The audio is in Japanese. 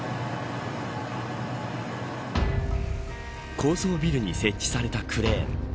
高層ビルに設置されたクレーン。